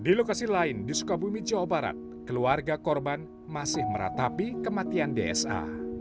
di lokasi lain di sukabumi jawa barat keluarga korban masih meratapi kematian dsa